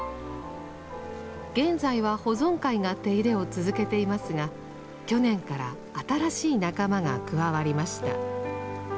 現在は保存会が手入れを続けていますが去年から新しい仲間が加わりました。